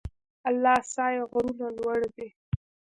اله سای غرونه لوړ دي؟